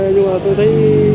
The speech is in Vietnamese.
nhưng mà tôi thấy